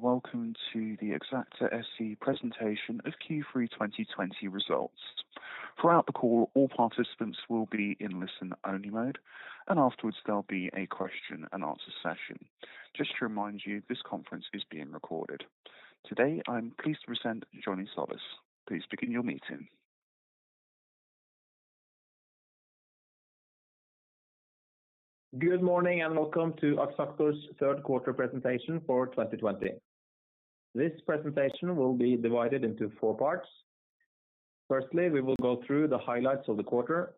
Welcome to the Axactor SE presentation of Q3 2020 results. Throughout the call, all participants will be in listen-only mode, and afterwards, there'll be a question and answer session. Just to remind you, this conference is being recorded. Today, I am pleased to present Johnny Tsolis. Good morning, welcome to Axactor's third quarter presentation for 2020. This presentation will be divided into four parts. Firstly, we will go through the highlights of the quarter.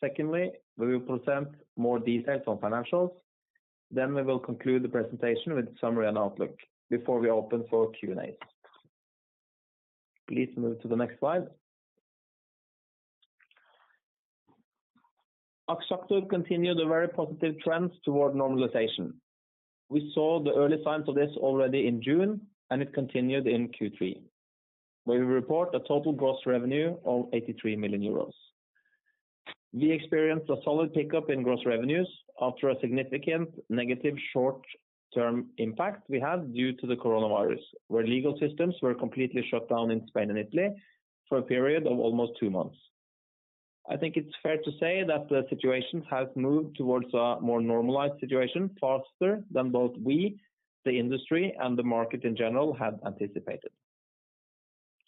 Secondly, we will present more details on financials. We will conclude the presentation with a summary and outlook before we open for Q&A. Please move to the next slide. Axactor continued a very positive trend toward normalization. We saw the early signs of this already in June, and it continued in Q3, where we report a total gross revenue of 83 million euros. We experienced a solid pickup in gross revenues after a significant negative short-term impact we had due to the coronavirus, where legal systems were completely shut down in Spain and Italy for a period of almost two months. I think it's fair to say that the situation has moved towards a more normalized situation faster than both we, the industry, and the market in general had anticipated.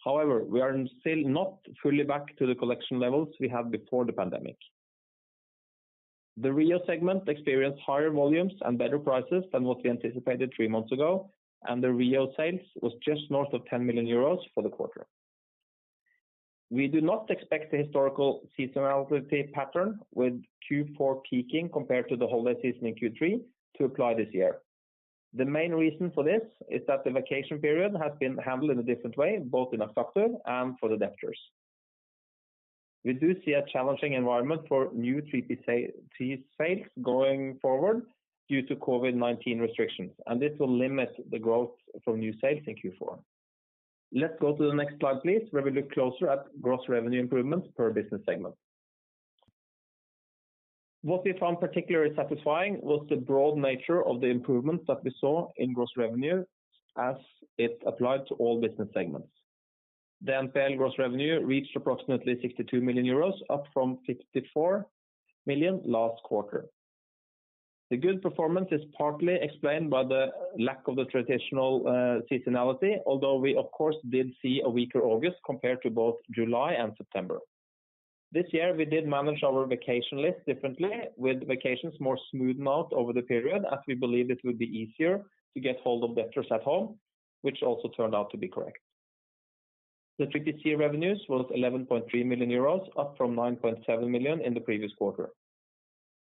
However, we are still not fully back to the collection levels we had before the pandemic. The REO segment experienced higher volumes and better prices than what we anticipated three months ago, and the REO sales was just north of 10 million euros for the quarter. We do not expect the historical seasonality pattern with Q4 peaking compared to the holiday season in Q3 to apply this year. The main reason for this is that the vacation period has been handled in a different way, both in Axactor and for the debtors. We do see a challenging environment for new 3PC sales going forward due to COVID-19 restrictions, and this will limit the growth from new sales in Q4. Let's go to the next slide, please, where we look closer at gross revenue improvements per business segment. What we found particularly satisfying was the broad nature of the improvements that we saw in gross revenue as it applied to all business segments. The NPL gross revenue reached approximately 62 million euros, up from 54 million last quarter. The good performance is partly explained by the lack of the traditional seasonality, although we, of course, did see a weaker August compared to both July and September. This year, we did manage our vacation list differently, with vacations more smoothened out over the period as we believed it would be easier to get hold of debtors at home, which also turned out to be correct. The 3PC revenues was 11.3 million euros, up from 9.7 million in the previous quarter.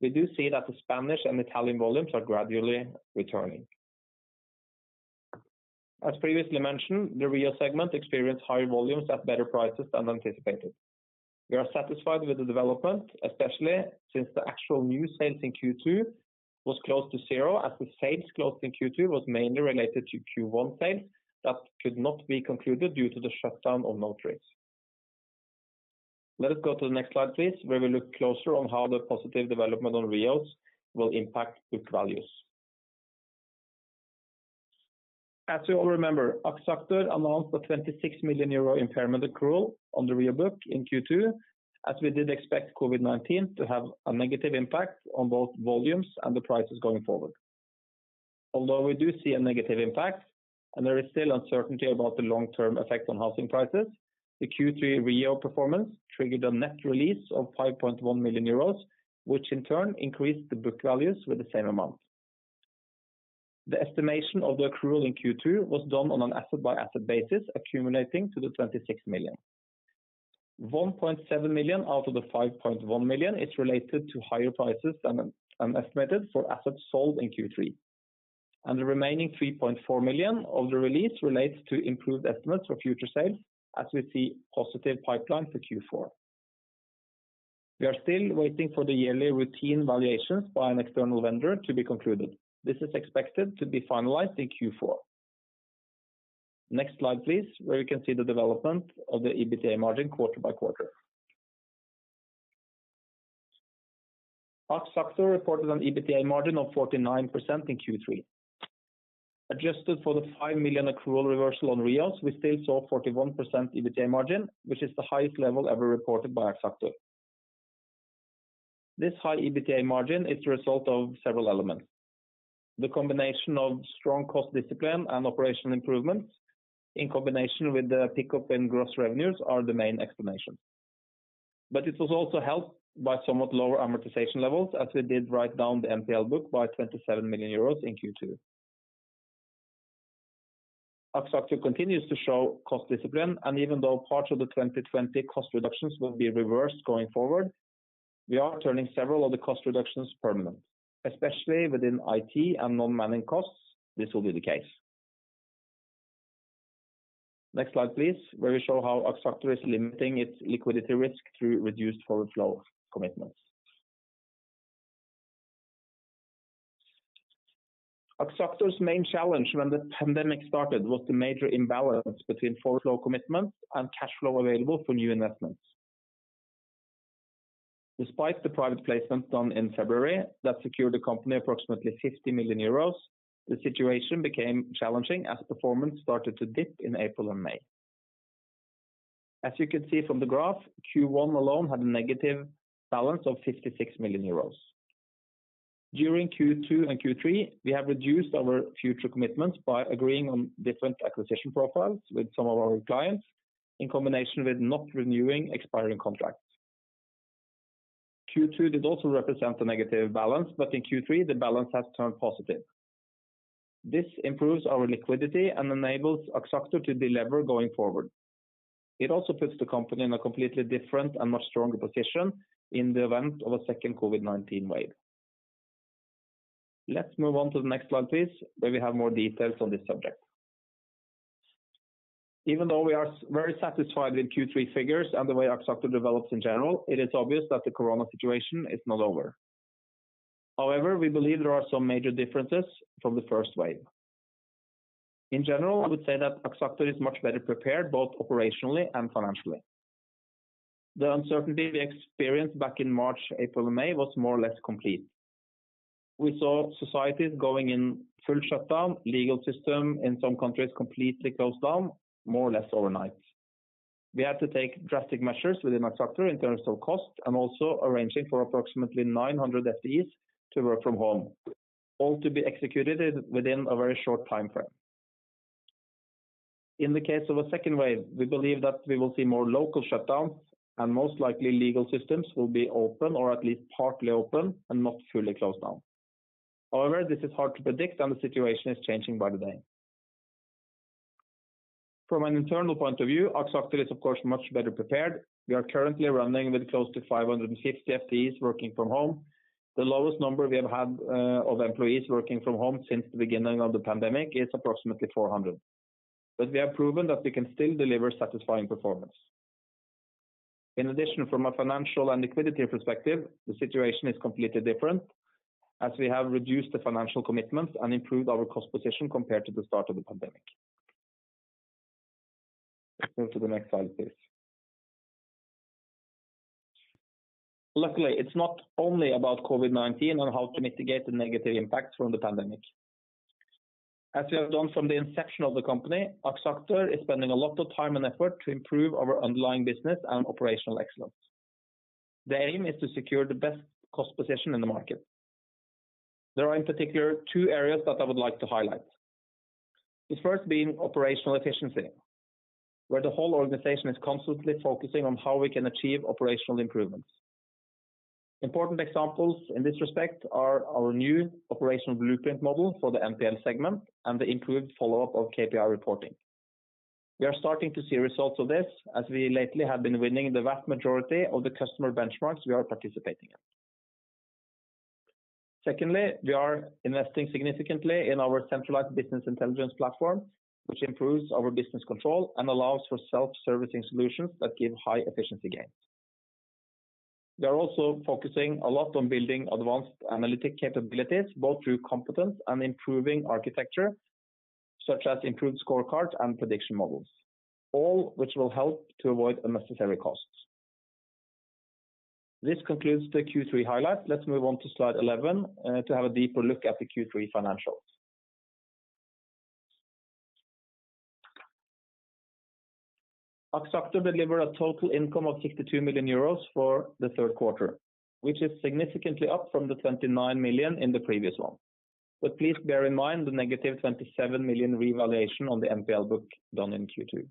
We do see that the Spanish and Italian volumes are gradually returning. As previously mentioned, the REO segment experienced higher volumes at better prices than anticipated. We are satisfied with the development, especially since the actual new sales in Q2 was close to zero as the sales closed in Q2 was mainly related to Q1 sales that could not be concluded due to the shutdown of notaries. Let us go to the next slide, please, where we look closer on how the positive development on REOs will impact book values. As you all remember, Axactor announced a 26 million euro impairment accrual on the REO book in Q2, as we did expect COVID-19 to have a negative impact on both volumes and the prices going forward. Although we do see a negative impact, and there is still uncertainty about the long-term effect on housing prices, the Q3 REO performance triggered a net release of 5.1 million euros, which in turn increased the book values with the same amount. The estimation of the accrual in Q2 was done on an asset-by-asset basis, accumulating to 26 million. 1.7 million out of the 5.1 million is related to higher prices than estimated for assets sold in Q3. The remaining 3.4 million of the release relates to improved estimates for future sales as we see positive pipeline for Q4. We are still waiting for the yearly routine valuations by an external vendor to be concluded. This is expected to be finalized in Q4. Next slide, please, where you can see the development of the EBITDA margin quarter by quarter. Axactor reported an EBITDA margin of 49% in Q3. Adjusted for the 5 million accrual reversal on REOs, we still saw 41% EBITDA margin, which is the highest level ever reported by Axactor. This high EBITDA margin is the result of several elements. The combination of strong cost discipline and operational improvements in combination with the pickup in gross revenues are the main explanation. It was also helped by somewhat lower amortization levels as we did write down the NPL book by 27 million euros in Q2. Axactor continues to show cost discipline, even though parts of the 2020 cost reductions will be reversed going forward, we are turning several of the cost reductions permanent. Especially within IT and non-manning costs, this will be the case. Next slide, please, where we show how Axactor is limiting its liquidity risk through reduced forward flow commitments. Axactor's main challenge when the pandemic started was the major imbalance between forward flow commitments and cash flow available for new investments. Despite the private placement done in February that secured the company approximately 50 million euros, the situation became challenging as performance started to dip in April and May. As you can see from the graph, Q1 alone had a negative balance of 56 million euros. During Q2 and Q3, we have reduced our future commitments by agreeing on different acquisition profiles with some of our clients, in combination with not renewing expiring contracts. Q2 did also represent a negative balance, in Q3, the balance has turned positive. This improves our liquidity and enables Axactor to delever going forward. It also puts the company in a completely different and much stronger position in the event of a second COVID-19 wave. Let's move on to the next slide, please, where we have more details on this subject. Even though we are very satisfied with Q3 figures and the way Axactor develops in general, it is obvious that the corona situation is not over. However, we believe there are some major differences from the first wave. In general, I would say that Axactor is much better prepared, both operationally and financially. The uncertainty we experienced back in March, April, and May was more or less complete. We saw societies going in full shutdown, legal system in some countries completely closed down more or less overnight. We had to take drastic measures within Axactor in terms of cost and also arranging for approximately 900 FTEs to work from home, all to be executed within a very short timeframe. In the case of a second wave, we believe that we will see more local shutdowns and most likely legal systems will be open, or at least partly open and not fully closed down. This is hard to predict and the situation is changing by the day. From an internal point of view, Axactor is of course much better prepared. We are currently running with close to 550 FTEs working from home. The lowest number we have had of employees working from home since the beginning of the pandemic is approximately 400. We have proven that we can still deliver satisfying performance. In addition, from a financial and liquidity perspective, the situation is completely different as we have reduced the financial commitments and improved our cost position compared to the start of the pandemic. Move to the next slide, please. Luckily, it's not only about COVID-19 and how to mitigate the negative impact from the pandemic. As we have done from the inception of the company, Axactor is spending a lot of time and effort to improve our underlying business and operational excellence. The aim is to secure the best cost position in the market. There are in particular two areas that I would like to highlight. The first being operational efficiency, where the whole organization is constantly focusing on how we can achieve operational improvements. Important examples in this respect are our new operational blueprint model for the NPL segment and the improved follow-up of KPI reporting. We are starting to see results of this as we lately have been winning the vast majority of the customer benchmarks we are participating in. Secondly, we are investing significantly in our centralized business intelligence platform, which improves our business control and allows for self-servicing solutions that give high efficiency gains. We are also focusing a lot on building advanced analytic capabilities, both through competence and improving architecture, such as improved scorecards and prediction models, all which will help to avoid unnecessary costs. This concludes the Q3 highlights. Let's move on to slide 11 to have a deeper look at the Q3 financials. Axactor delivered a total income of 62 million euros for the third quarter, which is significantly up from the 29 million in the previous one. Please bear in mind the negative 27 million revaluation on the NPL book done in Q2.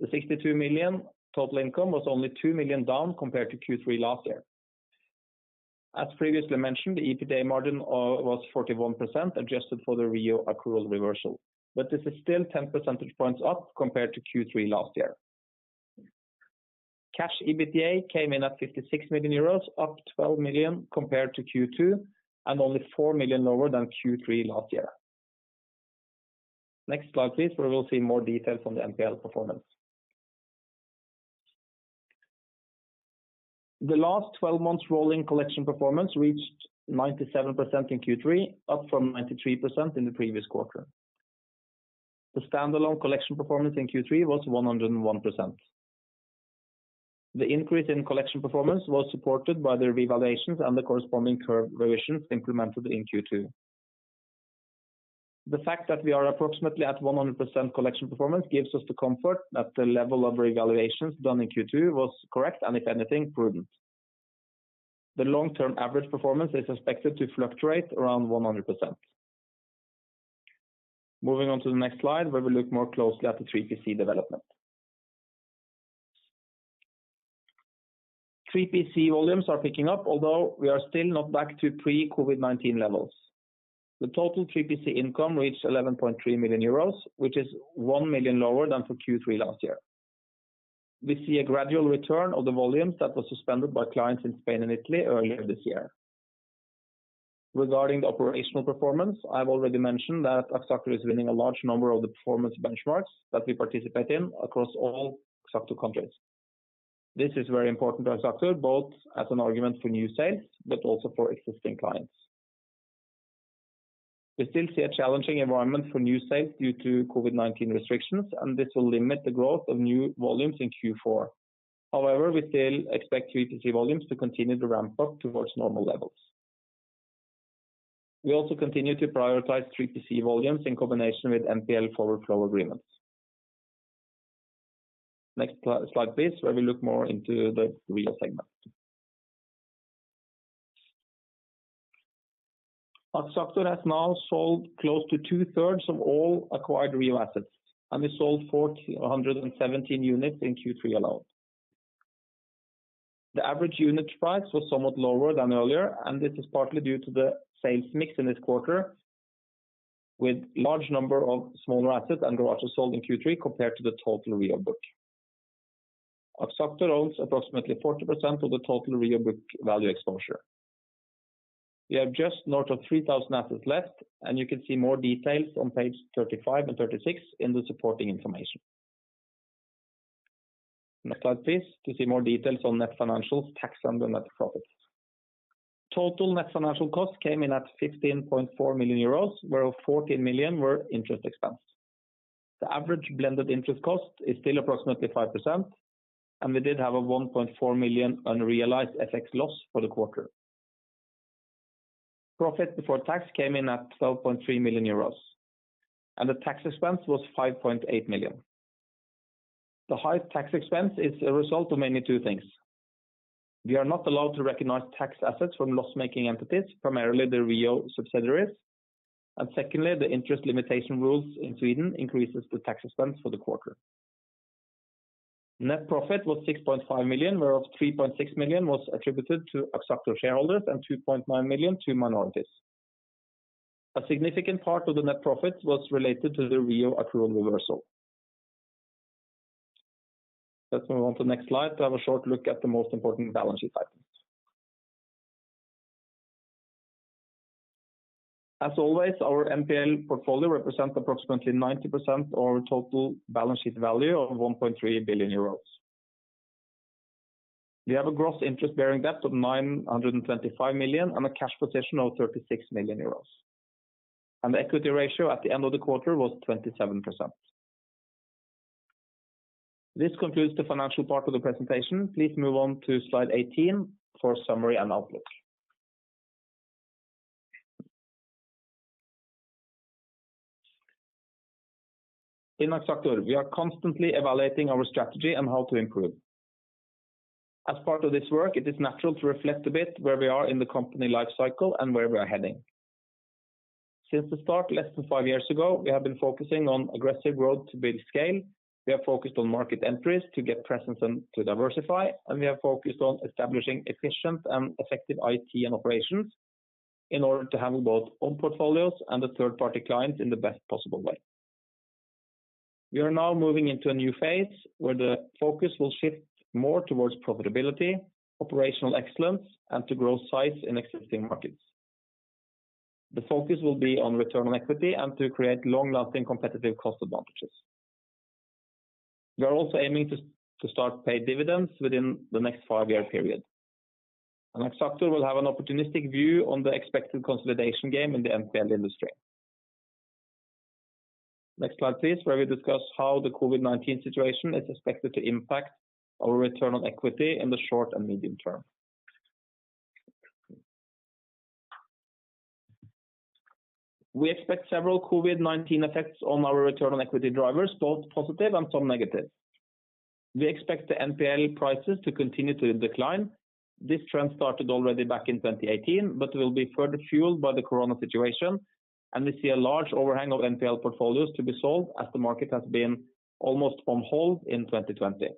The 62 million total income was only 2 million down compared to Q3 last year. As previously mentioned, the EBITDA margin was 41% adjusted for the REO accrual reversal. This is still 10 percentage points up compared to Q3 last year. Cash EBITDA came in at 56 million euros, up 12 million compared to Q2 and only 4 million lower than Q3 last year. Next slide, please, where we'll see more details on the NPL performance. The last 12 months rolling collection performance reached 97% in Q3, up from 93% in the previous quarter. The standalone collection performance in Q3 was 101%. The increase in collection performance was supported by the revaluations and the corresponding curve revisions implemented in Q2. The fact that we are approximately at 100% collection performance gives us the comfort that the level of revaluations done in Q2 was correct, and if anything, prudent. The long-term average performance is expected to fluctuate around 100%. Moving on to the next slide, where we look more closely at the 3PC development. 3PC volumes are picking up, although we are still not back to pre-COVID-19 levels. The total 3PC income reached 11.3 million euros, which is 1 million lower than for Q3 last year. We see a gradual return of the volumes that were suspended by clients in Spain and Italy earlier this year. Regarding the operational performance, I've already mentioned that Axactor is winning a large number of the performance benchmarks that we participate in across all Axactor countries. This is very important to Axactor, both as an argument for new sales, but also for existing clients. We still see a challenging environment for new sales due to COVID-19 restrictions, and this will limit the growth of new volumes in Q4. However, we still expect 3PC volumes to continue to ramp up towards normal levels. We also continue to prioritize 3PC volumes in combination with NPL forward flow agreements. Next slide, please, where we look more into the REO segment. Axactor has now sold close to 2/3 of all acquired REO assets, and we sold 417 units in Q3 alone. The average unit price was somewhat lower than earlier. This is partly due to the sales mix in this quarter, with large number of smaller assets and garages sold in Q3 compared to the total REO book. Axactor owns approximately 40% of the total REO book value exposure. We have just north of 3,000 assets left. You can see more details on page 35 and 36 in the supporting information. Next slide, please, to see more details on net financials, tax, and net profits. Total net financial costs came in at 15.4 million euros, whereof 14 million were interest expense. The average blended interest cost is still approximately 5%, and we did have a 1.4 million unrealized FX loss for the quarter. Profit before tax came in at 12.3 million euros, and the tax expense was 5.8 million. The high tax expense is a result of mainly two things. We are not allowed to recognize tax assets from loss-making entities, primarily the REO subsidiaries. Secondly, the interest limitation rules in Sweden increases the tax expense for the quarter. Net profit was 6.5 million, whereof 3.6 million was attributed to Axactor shareholders and 2.9 million to minorities. A significant part of the net profit was related to the REO accrual reversal. Let's move on to the next slide to have a short look at the most important balance sheet items. As always, our NPL portfolio represents approximately 90% of our total balance sheet value of 1.3 billion euros. We have a gross interest-bearing debt of 925 million and a cash position of 36 million euros. The equity ratio at the end of the quarter was 27%. This concludes the financial part of the presentation. Please move on to slide 18 for summary and outlook. In Axactor, we are constantly evaluating our strategy and how to improve. As part of this work, it is natural to reflect a bit where we are in the company life cycle and where we are heading. Since the start less than five years ago, we have been focusing on aggressive growth to build scale, we have focused on market entries to get presence and to diversify, and we have focused on establishing efficient and effective IT and operations in order to handle both own portfolios and the third-party clients in the best possible way. We are now moving into a new phase where the focus will shift more towards profitability, operational excellence, and to grow size in existing markets. The focus will be on return on equity and to create long-lasting competitive cost advantages. Axactor will have an opportunistic view on the expected consolidation game in the NPL industry. Next slide, please, where we discuss how the COVID-19 situation is expected to impact our return on equity in the short and medium term. We expect several COVID-19 effects on our return on equity drivers, both positive and some negative. We expect the NPL prices to continue to decline. This trend started already back in 2018 but will be further fueled by the COVID-19 situation, and we see a large overhang of NPL portfolios to be sold as the market has been almost on hold in 2020.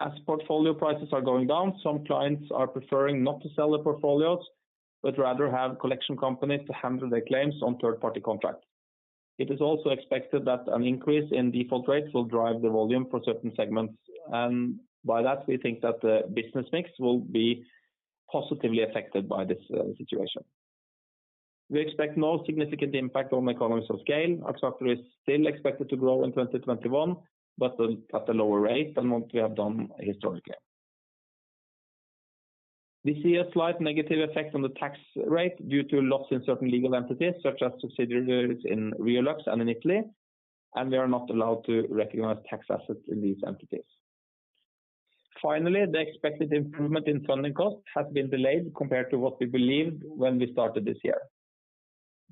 As portfolio prices are going down, some clients are preferring not to sell their portfolios, but rather have collection companies to handle their claims on third-party contracts. It is also expected that an increase in default rates will drive the volume for certain segments, and by that, we think that the business mix will be positively affected by this situation. We expect no significant impact on economies of scale. Axactor is still expected to grow in 2021, but at a lower rate than what we have done historically. We see a slight negative effect on the tax rate due to loss in certain legal entities, such as subsidiaries in Reolux and in Italy, and we are not allowed to recognize tax assets in these entities. Finally, the expected improvement in funding costs has been delayed compared to what we believed when we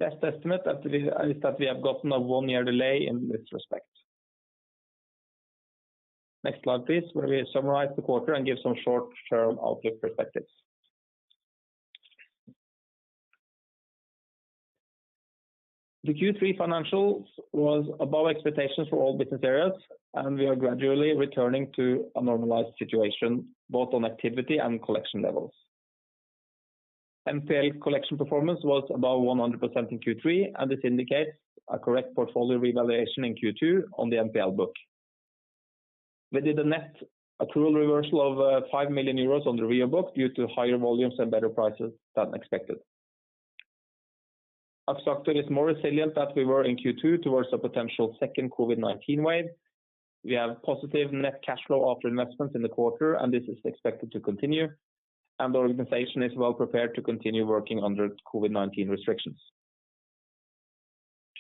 started this year. Best estimate is that we have gotten a one-year delay in this respect. Next slide, please, where we summarize the quarter and give some short-term outlook perspectives. The Q3 financials was above expectations for all business areas, and we are gradually returning to a normalized situation both on activity and collection levels. NPL collection performance was above 100% in Q3, and this indicates a correct portfolio revaluation in Q2 on the NPL book. We did a net accrual reversal of 5 million euros on the REO book due to higher volumes and better prices than expected. Axactor is more resilient than we were in Q2 towards a potential second COVID-19 wave. We have positive net cash flow after investments in the quarter, this is expected to continue. The organization is well-prepared to continue working under COVID-19 restrictions.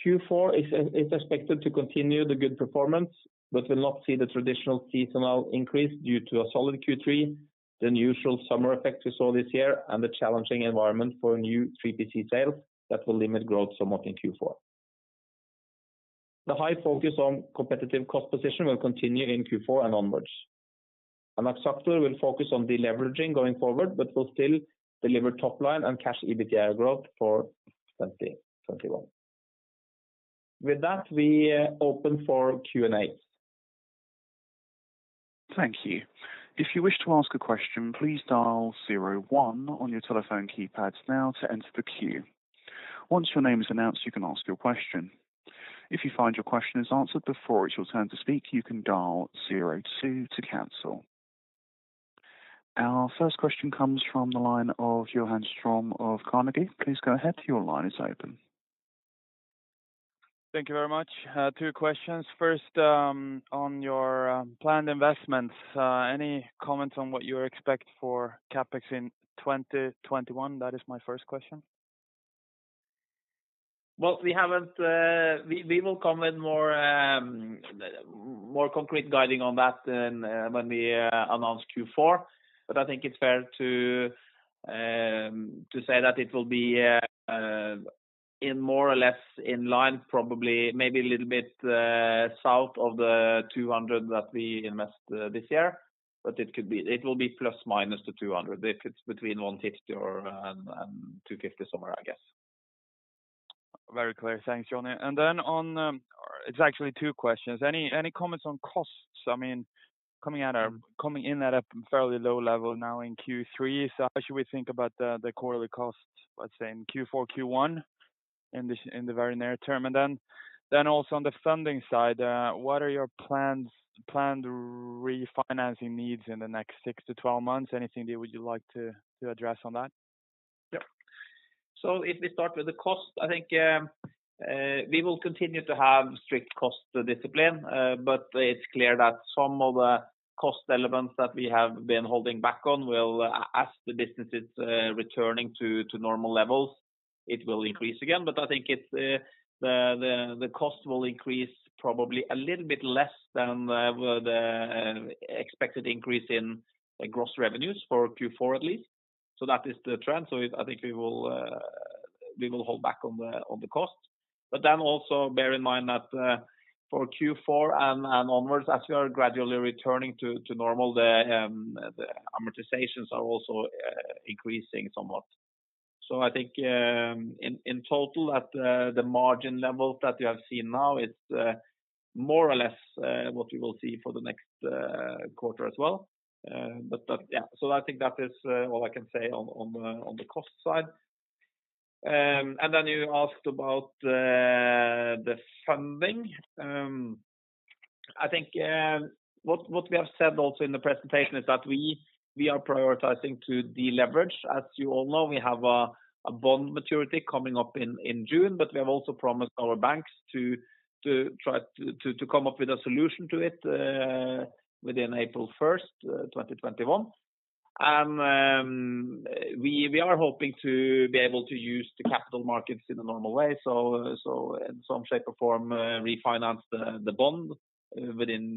Q4 is expected to continue the good performance but will not see the traditional seasonal increase due to a solid Q3, the unusual summer effect we saw this year, and the challenging environment for new 3PC sales that will limit growth somewhat in Q4. The high focus on competitive cost position will continue in Q4 and onwards. Axactor will focus on deleveraging going forward but will still deliver top line and cash EBITDA growth for 2021. With that, we open for Q&A. Thank you. If you wish to ask a question, please dial zero one on your telephone keypads now to enter the queue. Once your name is announced, you can ask your question. If you find your question is answered before it's your turn to speak, you can dial zero two to cancel. Our first question comes from the line of Johan Ström of Carnegie. Please go ahead. Your line is open. Thank you very much. Two questions. First, on your planned investments, any comments on what you expect for Capex in 2021? That is my first question. Well, we will come with more concrete guiding on that when we announce Q4. I think it's fair to say that it will be more or less in line, probably maybe a little bit south of the 200 million that we invest this year. It will be plus, minus the 200 million. If it's between 150 million and 250 million somewhere, I guess. Very clear. Thanks, Johnny. It's actually two questions. Any comments on costs? Coming in at a fairly low level now in Q3, how should we think about the quarterly costs, let's say, in Q4, Q1, in the very near term? Also on the funding side, what are your planned refinancing needs in the next 6-12 months? Anything that would you like to address on that? If we start with the cost, I think we will continue to have strict cost discipline, it's clear that some of the cost elements that we have been holding back on will, as the business is returning to normal levels, it will increase again. I think the cost will increase probably a little bit less than the expected increase in gross revenues for Q4, at least. That is the trend. I think we will hold back on the cost. Also bear in mind that for Q4 and onwards, as we are gradually returning to normal, the amortizations are also increasing somewhat. I think in total, at the margin level that you have seen now, it's more or less what we will see for the next quarter as well. I think that is all I can say on the cost side. Then you asked about the funding. I think what we have said also in the presentation is that we are prioritizing to deleverage. As you all know, we have a bond maturity coming up in June, but we have also promised our banks to come up with a solution to it within April 1, 2021. We are hoping to be able to use the capital markets in a normal way. In some shape or form, refinance the bond within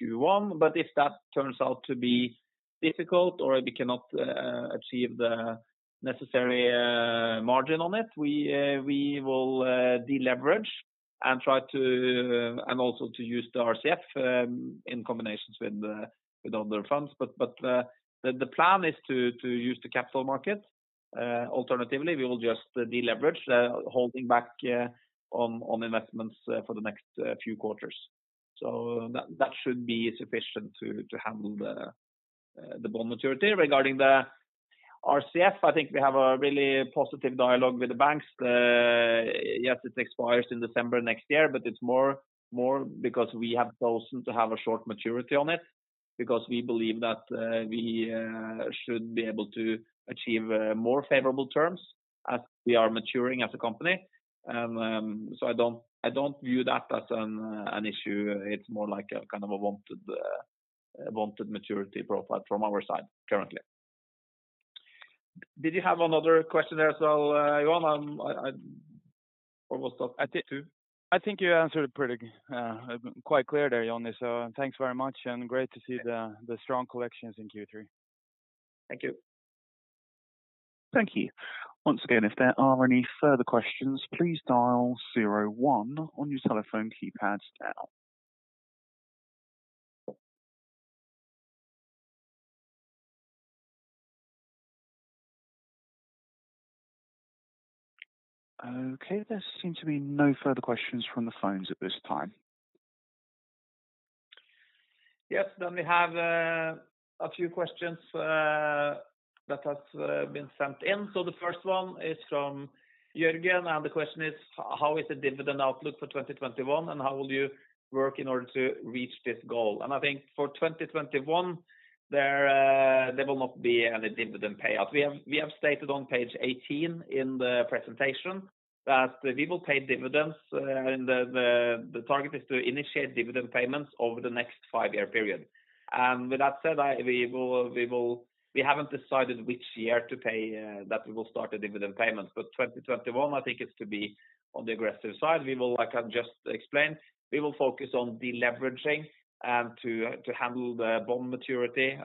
Q1. If that turns out to be difficult or we cannot achieve the necessary margin on it, we will deleverage and also to use the RCF in combinations with other funds. The plan is to use the capital market. Alternatively, we will just deleverage, holding back on investments for the next few quarters. That should be sufficient to handle the bond maturity. Regarding the RCF, I think we have a really positive dialogue with the banks. Yes, it expires in December next year, but it's more because we have chosen to have a short maturity on it because we believe that we should be able to achieve more favorable terms as we are maturing as a company. I don't view that as an issue. It's more like a kind of a wanted maturity profile from our side currently. Did you have another question there as well, Johan? Or was that two? I think you answered it quite clear there, Johnny. Thanks very much, and great to see the strong collections in Q3. Thank you. Thank you. Once again, if there are any further questions, please dial zero one on your telephone keypads now. Okay, there seem to be no further questions from the phones at this time. Yes. We have a few questions that have been sent in. The first one is from Juergen, and the question is, how is the dividend outlook for 2021, and how will you work in order to reach this goal? I think for 2021, there will not be any dividend payout. We have stated on page 18 in the presentation that we will pay dividends, and the target is to initiate dividend payments over the next five-year period. With that said, we haven't decided which year to pay that we will start the dividend payments, but 2021, I think it's to be on the aggressive side. Like I just explained, we will focus on deleveraging to handle the bond maturity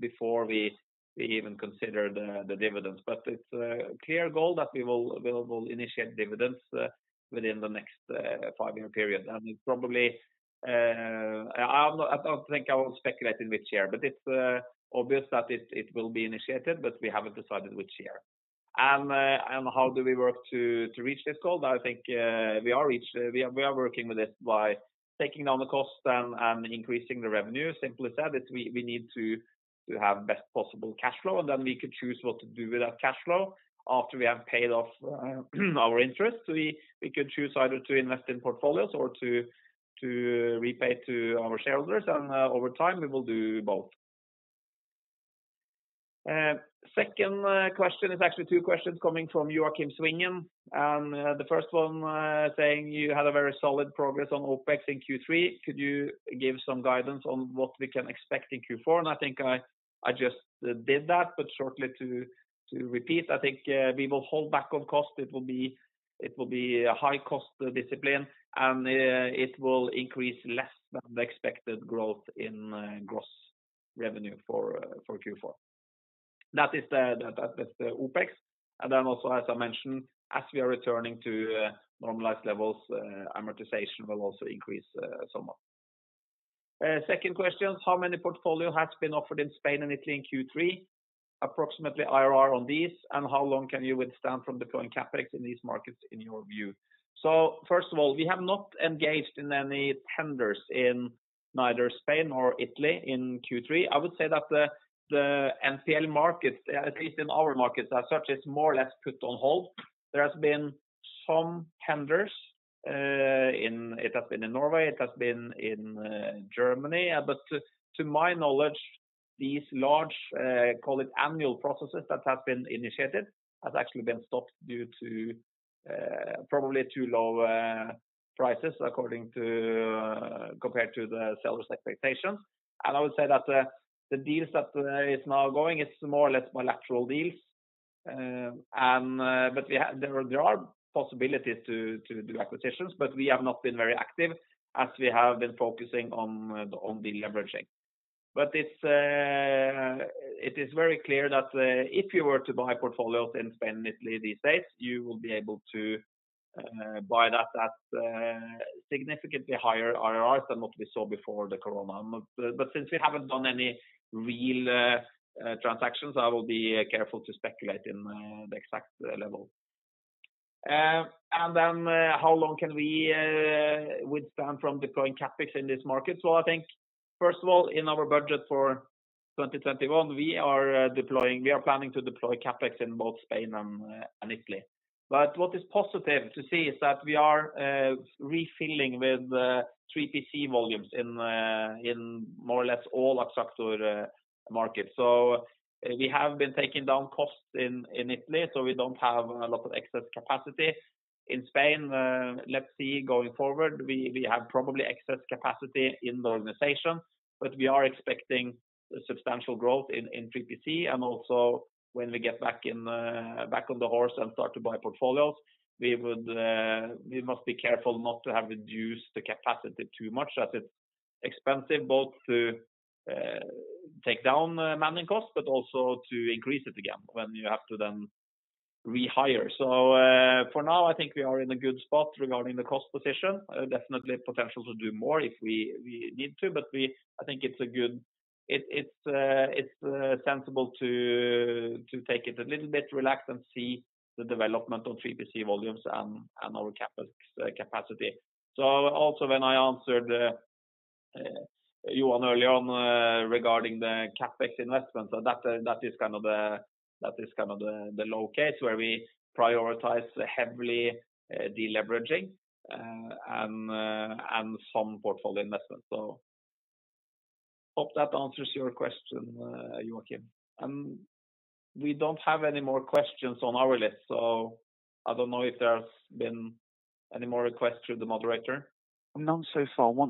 before we even consider the dividends. It's a clear goal that we will initiate dividends within the next five-year period. I don't think I will speculate in which year, but it's obvious that it will be initiated, but we haven't decided which year. How do we work to reach this goal? I think we are working with this by taking down the cost and increasing the revenue. Simply said, we need to have best possible cash flow, and then we could choose what to do with that cash flow after we have paid off our interest. We could choose either to invest in portfolios or to repay to our shareholders, and over time, we will do both. Second question is actually two questions coming from Joakim Svingen. The first one saying, "You had a very solid progress on Opex in Q3. Could you give some guidance on what we can expect in Q4?" I think I just did that, but shortly to repeat, I think we will hold back on cost. It will be a high-cost discipline, and it will increase less than the expected growth in gross revenue for Q4. That is with the Opex. Also as I mentioned, as we are returning to normalized levels, amortization will also increase somewhat. Second question, "How many portfolio has been offered in Spain and Italy in Q3? Approximately IRR on these, and how long can you withstand from deploying Capex in these markets, in your view?" First of all, we have not engaged in any tenders in neither Spain or Italy in Q3. I would say that the NPL markets, at least in our markets, as such is more or less put on hold. There has been some tenders. It has been in Norway, it has been in Germany. To my knowledge, these large, call it annual processes that have been initiated, has actually been stopped due to probably too low prices compared to the seller's expectations. I would say that the deals that is now going is more or less bilateral deals. There are possibilities to do acquisitions, but we have not been very active as we have been focusing on deleveraging. It is very clear that if you were to buy portfolios in Spain and Italy these days, you will be able to buy that at significantly higher IRRs than what we saw before the corona. Since we haven't done any real transactions, I will be careful to speculate in the exact level. How long can we withstand from deploying Capex in this market? I think first of all, in our budget for 2021, we are planning to deploy Capex in both Spain and Italy. What is positive to see is that we are refilling with 3PC volumes in more or less all Axactor markets. We have been taking down costs in Italy, so we don't have a lot of excess capacity. In Spain, let's see going forward, we have probably excess capacity in the organization, but we are expecting substantial growth in 3PC. Also when we get back on the horse and start to buy portfolios, we must be careful not to have reduced the capacity too much as it's expensive both to take down manning costs, but also to increase it again when you have to then rehire. For now, I think we are in a good spot regarding the cost position. Definitely potential to do more if we need to, but I think it's sensible to take it a little bit relaxed and see the development of 3PC volumes and our Capex capacity. Also when I answered Johan early on regarding the Capex investment, that is kind of the low case where we prioritize heavily deleveraging and some portfolio investment. Hope that answers your question, Joakim. We don't have any more questions on our list, so I don't know if there's been any more requests through the moderator. None so far. No,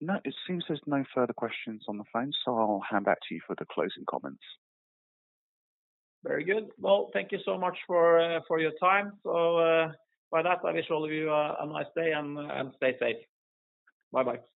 it seems there's no further questions on the phone, so I'll hand back to you for the closing comments. Very good. Well, thank you so much for your time. With that, I wish all of you a nice day and stay safe. Bye-bye.